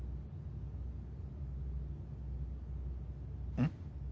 うん？